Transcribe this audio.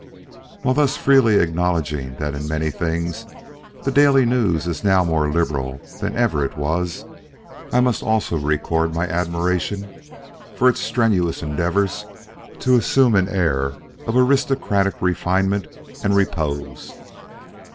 While thus freely acknowledging that in many things the Daily News is now more liberal than ever it was, I must also record my admiration for its strenuous endeavors to assume an air of aristocratic refinement and repose.